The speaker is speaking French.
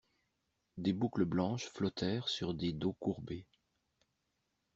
Des boucles blanches flottèrent sur des dos courbés.